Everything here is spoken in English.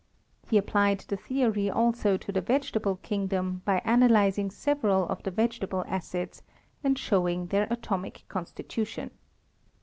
He applied the theory also to the vegetable kingdom by analyzing several of the vegetable acids, and wowing their atomic constitution.